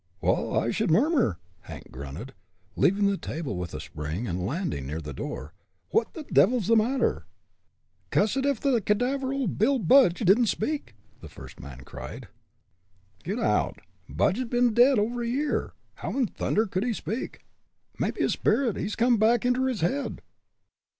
"Waal, I should murmur," Hank grunted, leaving the table with a spring, and landing near the door. "What the devil's the matter?" "Cussed ef the cadaver o' Bill Budge didn't speak," the first man cried. "Git out! Budge has bin dead over a year; how in thunder could he speak?" "Mebbe his spirit hes come back inter his head."